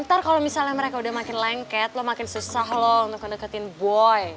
ntar kalo misalnya mereka udah makin lengket lo makin susah loh untuk nge deketin boy